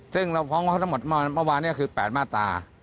ซึ่งเราฟ้องเขาทั้งหมดเมื่อวานนี้คือ๘มาตรา